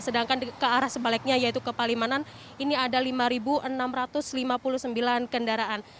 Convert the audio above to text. sedangkan ke arah sebaliknya yaitu ke palimanan ini ada lima enam ratus lima puluh sembilan kendaraan